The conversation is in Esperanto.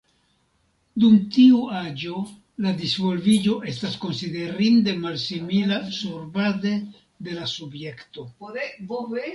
Dum tiu aĝo la disvolviĝo estas konsiderinde malsimila surbaze de la subjekto.